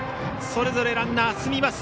それぞれランナー進みます。